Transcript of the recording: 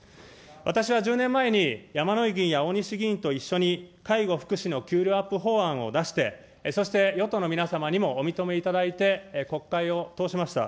私は１０年前にやまのい議員やおおにし議員と一緒に、介護・福祉の給料アップ法案を出して、そして与党の皆様にもお認めいただいて、国会を通しました。